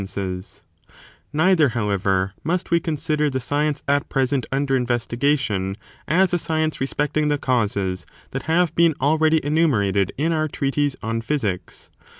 What causes Neither, however, must we consider the science * is ontology con at present imder investigation as a science re °*^^* specting the causes that have been already enumerated in our treatise on Physics.